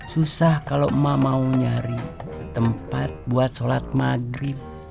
susah kalau emak mau nyari tempat buat sholat maghrib